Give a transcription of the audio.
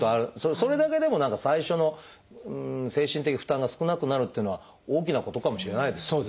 それだけでも何か最初の精神的負担が少なくなるっていうのは大きなことかもしれないですよね。